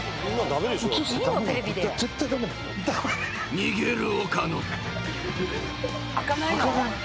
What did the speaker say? ［逃げる岡野］